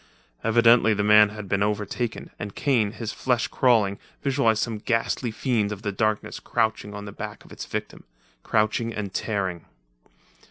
Evidently the man had been overtaken, and Kane, his flesh crawling, visualized some ghastly fiend of the darkness crouching on the back of its victim crouching and tearing.